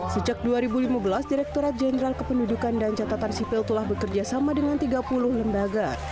sejak dua ribu lima belas direkturat jenderal kependudukan dan catatan sipil telah bekerja sama dengan tiga puluh lembaga